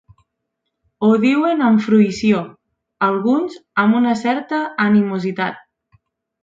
Ho diuen amb fruïció, alguns amb una certa animositat.